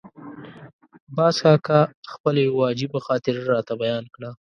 باز کاکا خپله یوه عجیبه خاطره راته بیان کړه.